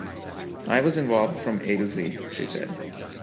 "I was involved from A-Z," she said.